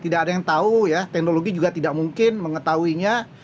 tidak ada yang tahu ya teknologi juga tidak mungkin mengetahuinya